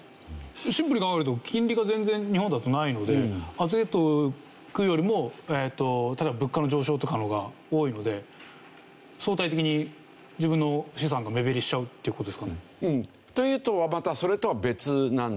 シンプルに考えると金利が全然日本だとないので預けておくよりも例えば物価の上昇とかの方が多いので相対的に自分の資産が目減りしちゃうっていう事ですかね？というとまたそれとは別なんですよ。